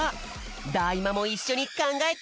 ＤＡ−ＩＭＡもいっしょにかんがえて。